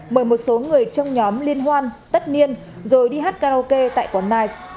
mời một số người trong nhóm liên hoan tất niên rồi đi hát karaoke tại quán nights